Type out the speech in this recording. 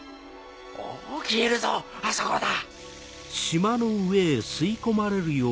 おおっ消えるぞあそこだ！